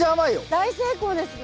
大成功ですね。